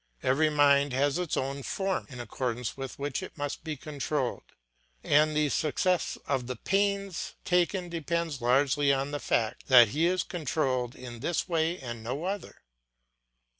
Every mind has its own form, in accordance with which it must be controlled; and the success of the pains taken depends largely on the fact that he is controlled in this way and no other.